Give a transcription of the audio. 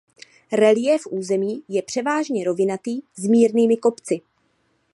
Reliéf území je převážně rovinatý s mírnými kopci.